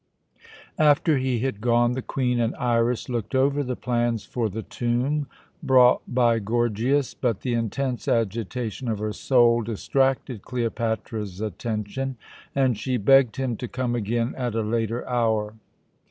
After he had gone, the Queen and Iras looked over the plans for the tomb brought by Gorgias, but the intense agitation of her soul distracted Cleopatra's attention, and she begged him to come again at a later hour.